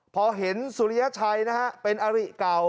พอเห็นสุริยชัยนะฮะเป็นอริเก่า